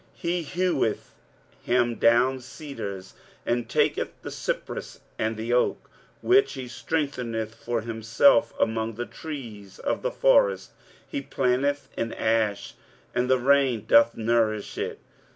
23:044:014 He heweth him down cedars, and taketh the cypress and the oak, which he strengtheneth for himself among the trees of the forest: he planteth an ash, and the rain doth nourish it.